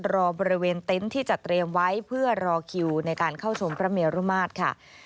รอบริเวณเต็นต์ที่จะเตรียมไว้เพื่อรอคิวในการเข้าชมพระเมรุมาตรค่ะ